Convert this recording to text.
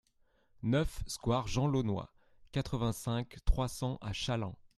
neuf square Jean Launois, quatre-vingt-cinq, trois cents à Challans